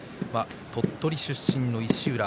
鳥取出身の石浦。